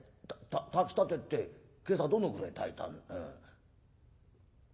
炊きたてって今朝どのぐらい炊いたうん２升？